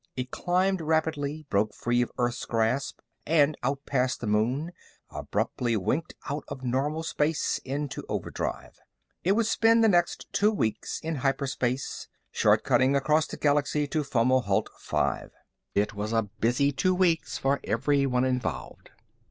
It climbed rapidly, broke free of Earth's grasp, and, out past the moon, abruptly winked out of normal space into overdrive. It would spend the next two weeks in hyperspace, short cutting across the galaxy to Fomalhaut V. It was a busy two weeks for everyone involved.